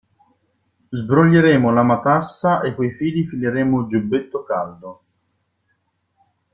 Sbroglieremo la matassa e coi fili fileremo giubbetto caldo.